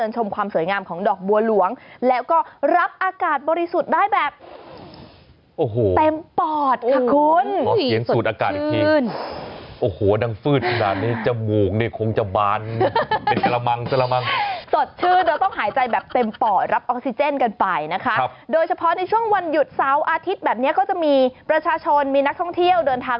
ชมความสวยงามของดอกบัวหลวงแล้วก็รับอากาศบริสุทธิ์ได้แบบโอ้โหเต็มปอดค่ะคุณขอเขียนสูดอากาศอีกทีขึ้นโอ้โหดังฟืดขนาดนี้จมูกเนี่ยคงจะบานเป็นกระมังกระมังสดชื่นโดยต้องหายใจแบบเต็มปอดรับออกซิเจนกันไปนะคะโดยเฉพาะในช่วงวันหยุดเสาร์อาทิตย์แบบนี้ก็จะมีประชาชนมีนักท่องเที่ยวเดินทาง